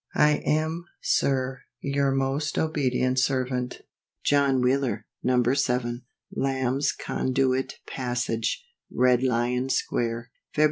I am, SIR, your most obedient servant, JOHN WHEELER. No. 7, Lamb's Conduit passage, Red Lion square, Feb.